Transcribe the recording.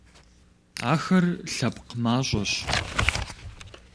Ахэр лъэпкъ мащӀэщ.